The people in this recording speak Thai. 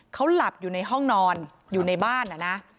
เขาหลับอยู่ในห้องนอนอยู่ในบ้านนะ